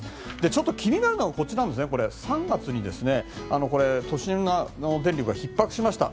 ちょっと気になるのが、３月に都心の電力がひっ迫しました。